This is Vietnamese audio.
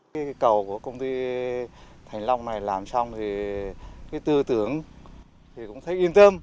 cây cầu của công ty thành long này làm xong thì tư tưởng cũng thấy yên tâm